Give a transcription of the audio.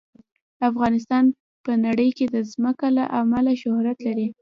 افغانستان په نړۍ کې د ځمکه له امله شهرت لري.